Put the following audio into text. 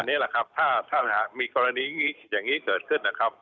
อันนี้แหละครับถ้ามีกรณีอย่างนี้เกิดขึ้น